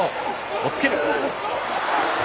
押っつけ。